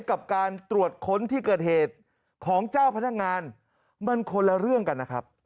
กับการตรวจค้นที่เกิดเหตุของเจ้าพนักงานมันคนละเรื่องกันนะครับ